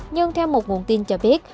nhưng theo một nguồn tin cho biết